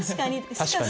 「確かに」